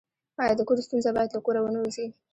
آیا د کور ستونزه باید له کوره ونه وځي؟